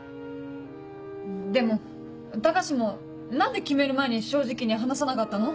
でも高志も何で決める前に正直に話さなかったの？